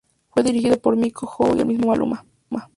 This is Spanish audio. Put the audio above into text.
Fue dirigido por Miko Ho y el mismo Maluma.